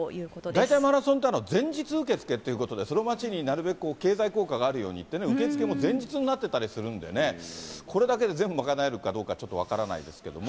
大体マラソンって、前日受け付けということで、その町になるべく経済効果があるようにっていうね、受け付けも前日になってたりするんでね、これだけで全部賄えるかどうかちょっと分からないですけども。